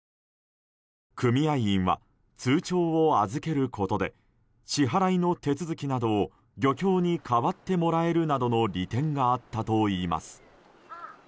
組合員は通帳を預けることで支払いの手続きなどを漁協に代わってもらえるなどの利点があったといいます。